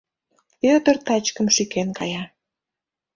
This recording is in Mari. Вӧдыр тачкым шӱкен кая.